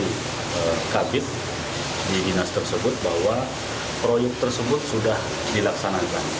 sehingga dikatakan oleh salah satu kabin di dinas tersebut bahwa proyek tersebut sudah dilaksanakan